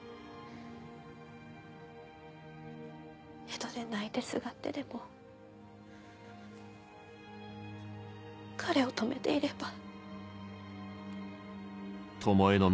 江戸で泣いてすがってでも彼を止めていれば。